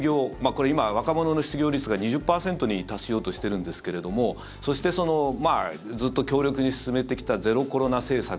これ今、若者の失業率が２０％に達しようとしているんですけどもそして、ずっと強力に進めてきたゼロコロナ政策。